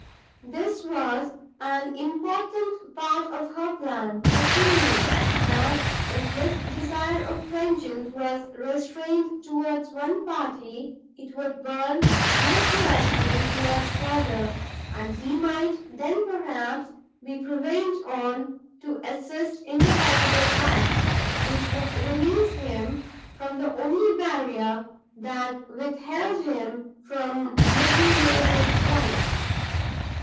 This was an important part of her plan, for she knew, that, if his desire of vengeance was restrained towards one party, it would burn more fiercely towards the other, and he might then, perhaps, be prevailed on to assist in the horrible act, which would release him from the only barrier, that withheld him from making her his wife.